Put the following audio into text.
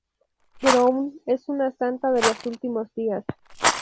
Brown es una Santa de los últimos días.